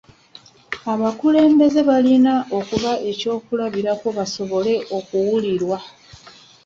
Abakulembeze balina okuba eky'okulabirako basobole okuwulirwa.